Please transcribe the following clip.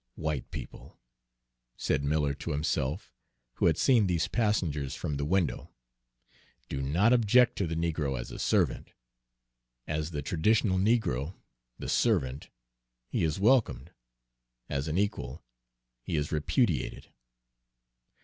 "White people," said Miller to himself, who had seen these passengers from the window, "do not object to the negro as a servant. As the traditional negro, the servant, he is welcomed; as an equal, he is repudiated."